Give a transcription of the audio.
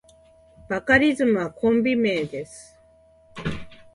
バカリズムはコンビ名です。